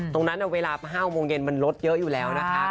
ตรงนั้นเวลา๕โมงเย็นมันลดเยอะอยู่แล้วนะคะ